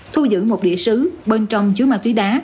thu giữ một địa sứ bên trong chứa ma tủy đá